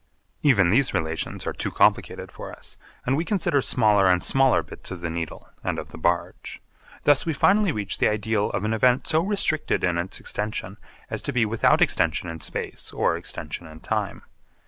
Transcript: Even these relations are too complicated for us, and we consider smaller and smaller bits of the Needle and of the barge. Thus we finally reach the ideal of an event so restricted in its extension as to be without extension in space or extension in time.